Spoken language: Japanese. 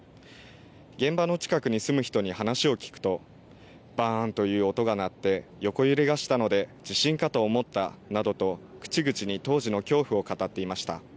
現場の近くに住む人に話を聞くとバーンという音が鳴って横揺れがしたので地震かと思ったなどと口々に当時の恐怖を語っていました。